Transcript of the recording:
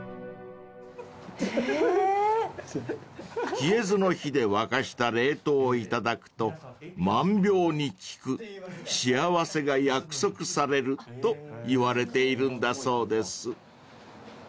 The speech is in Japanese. ［消えずの火で沸かした霊湯を頂くと「万病に効く」「幸せが約束される」といわれているんだそうです］